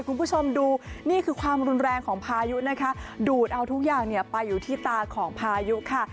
คุณผู้ชมดูนี่คือความรุนแรงของพายุนะคะดูดเอาทุกอย่างเนี่ยไปอยู่ที่ตาของพายุค่ะ